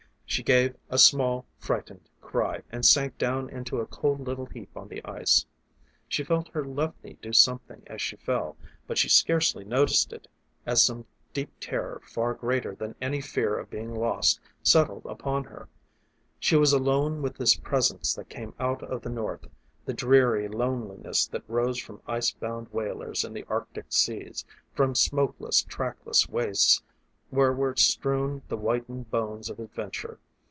She gave a small, frightened cry, and sank down into a cold little heap on the ice. She felt her left knee do something as she fell, but she scarcely noticed it as some deep terror far greater than any fear of being lost settled upon her. She was alone with this presence that came out of the North, the dreary loneliness that rose from ice bound whalers in the Arctic seas, from smokeless, trackless wastes where were strewn the whitened bones of adventure.